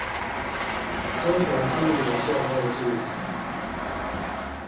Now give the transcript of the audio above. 中和青年社會住宅